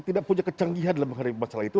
tidak punya kecanggihan dalam menghadapi masalah itu